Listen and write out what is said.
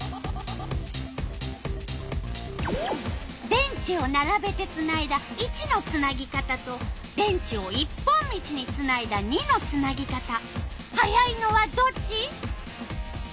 電池をならべてつないだ①のつなぎ方と電池を一本道につないだ②のつなぎ方速いのはどっち？